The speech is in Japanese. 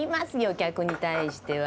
客に対しては。